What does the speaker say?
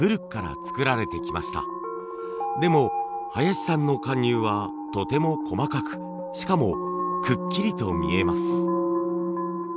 でも林さんの貫入はとても細かくしかもくっきりと見えます。